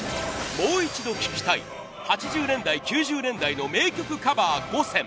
もう一度聴きたい８０年代９０年代の名曲カバー５選。